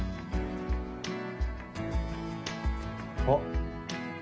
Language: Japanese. あっ。